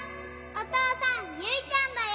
お父さんゆいちゃんだよ。